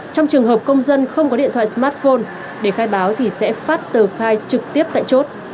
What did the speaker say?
trong trường hợp công dân không có điện thoại smartphone để khai báo thì sẽ phát tờ khai trực tiếp tại chốt